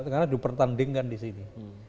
karena dipertandingkan di sini